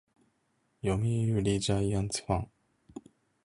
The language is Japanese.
読売ジャイアンツファン